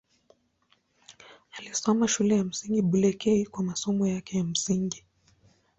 Alisoma Shule ya Msingi Bulekei kwa masomo yake ya msingi.